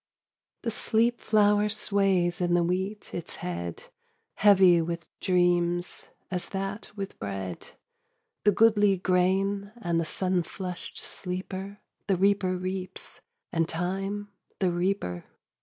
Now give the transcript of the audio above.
The sleep flower sways in the wheat its head, Heavy with dreams, as that with bread: The goodly grain and the sun flushed sleeper The reaper reaps, and Time the reaper.